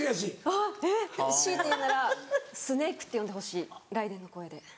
あぁえっ強いて言うなら「スネーク」って呼んでほしい雷電の声で。